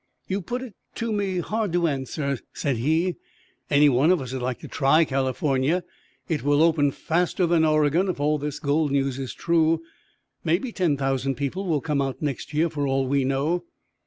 "You put it to me hard to answer," said he. "Any one of us'd like to try California. It will open faster than Oregon if all this gold news is true. Maybe ten thousand people will come out next year, for all we know."